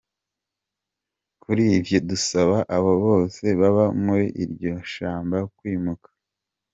Kurivyo dusaba abo bose baba muri iryo shamba kwimuka.